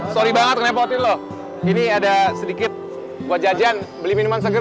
sorry banget nepotin loh ini ada sedikit wajah jan beli minuman seger